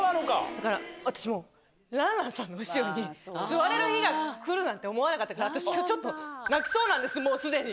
だから、私も、蘭々さんの後ろに座れる日がくるなんて思わなかったから、私きょうちょっと、泣きそうなんです、もうすでに。